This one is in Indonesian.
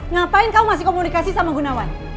ngapain kamu masih komunikasi sama gunawan